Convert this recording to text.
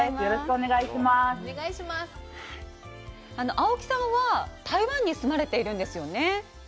青木さんは台湾に住まれているんですよね。